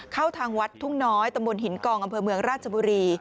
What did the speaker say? เข้าทางวัดทุ่งน้อยตำบลหินกองอำเภอเมืองราชบุรี